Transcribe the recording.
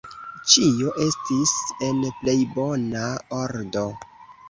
Ĉio estis en plej bona ordo.